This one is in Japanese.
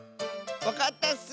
わかったッス！